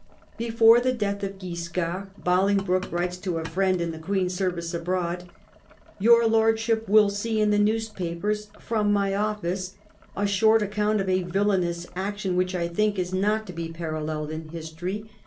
Before the death of Guiscard, Bolingbroke writes to a friend in the Queen's service abroad :" Your Lord ship will see in the newspaper from my office a short account of a villainous action which, I think, is not to be paralleled in history.